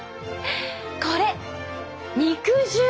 これ肉汁。